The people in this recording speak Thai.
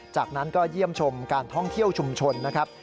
จากนั้นก็เยี่ยมชมการท่องเที่ยวชุมชนนะครับ